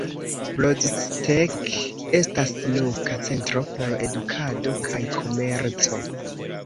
Brzostek estas loka centro por edukado kaj komerco.